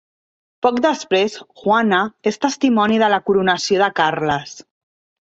Poc després, Juana és testimoni de la coronació de Carles.